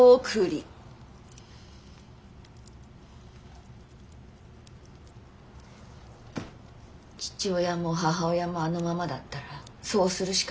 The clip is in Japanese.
父親も母親もあのままだったらそうするしかない。